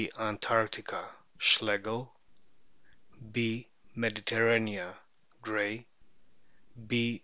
antarctica, Schlegel ; B. mcditerranea, Gray; B.